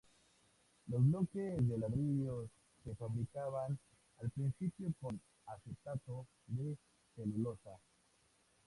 Los bloques de ladrillos se fabricaban al principio con acetato de celulosa.